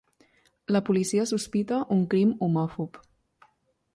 La policia sospita un crim homòfob.